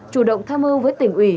chủ động tham mưu với tỉnh ủy